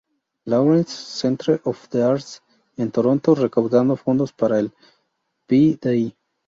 Lawrence Centre for the Arts, en Toronto, recaudando fondos para el V-day.